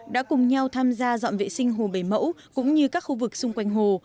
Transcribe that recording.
đã cùng nhau tham gia dọn vệ sinh hồ bảy mẫu cũng như các khu vực xung quanh hồ